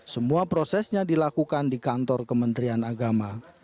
semua prosesnya dilakukan di kantor kementerian agama